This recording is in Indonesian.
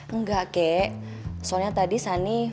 enggak kek soalnya tadi sani